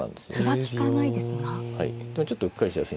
ちょっとうっかりしやすいんですよ。